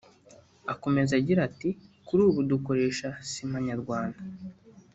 Akomeza agira ati “Kuri ubu dukoresha Sima Nyarwanda